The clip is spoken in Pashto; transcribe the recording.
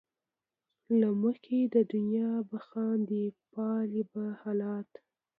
له مخې د دنیا به خاندې ،پالې به حالات